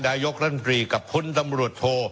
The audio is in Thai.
ดายกรรมดรีกับพลตำรวจโท